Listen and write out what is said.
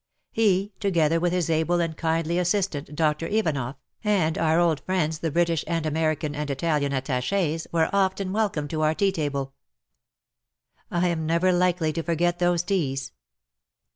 He, together with his able and kindly assistant. Dr. Ivanofif, and 140 WAR AND WOMEN our old friends the British and American and Italian Attaches, were often welcomed to our tea table. I am never likely to forget those teas.